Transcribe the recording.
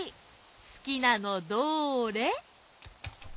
すきなのどーれ！？